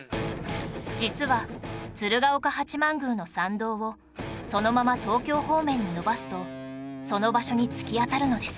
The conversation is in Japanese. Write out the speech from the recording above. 実は鶴岡八幡宮の参道をそのまま東京方面に伸ばすとその場所に突き当たるのです